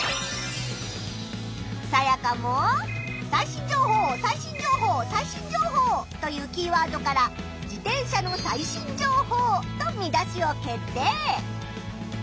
サヤカも「最新情報」「最新情報」「最新情報」というキーワードから「自転車の最新情報」と見出しを決定！